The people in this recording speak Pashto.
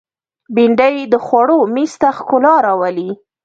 بېنډۍ د خوړو مېز ته ښکلا راولي